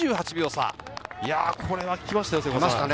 これは来ましたね。